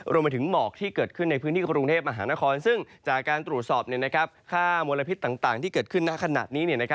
รวมไปถึงหมอกที่เกิดขึ้นในพื้นที่กรุงเทพมหานครซึ่งจากการตรวจสอบค่ามลพิษต่างที่เกิดขึ้นในขณะนี้